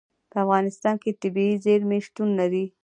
په افغانستان کې طبیعي زیرمې شتون لري.